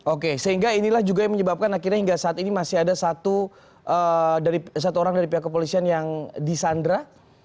oke sehingga inilah juga yang menyebabkan akhirnya hingga saat ini masih ada satu orang dari pihak kepolisian yang disandra